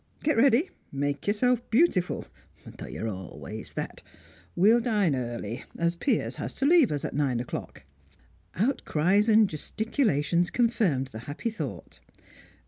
Get ready; make yourself beautiful though you're always that. We'll dine early, as Piers has to leave us at nine o'clock." Outcries and gesticulations confirmed the happy thought.